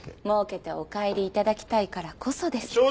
もうけてお帰りいただきたいからこそです。